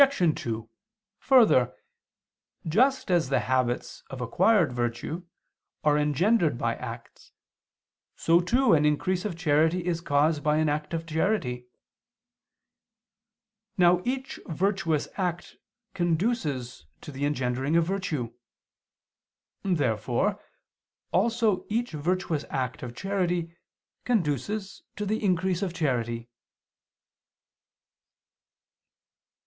2: Further, just as the habits of acquired virtue are engendered by acts, so too an increase of charity is caused by an act of charity. Now each virtuous act conduces to the engendering of virtue. Therefore also each virtuous act of charity conduces to the increase of charity.